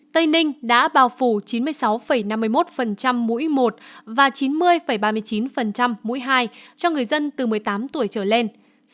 tây ninh đã bào phủ chín mươi sáu năm mươi một mũi một và chín mươi ba mươi chín mũi hai cho người dân từ một mươi tám tuổi trở lên